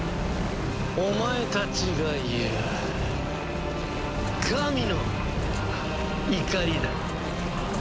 お前たちが言う神の怒りだ。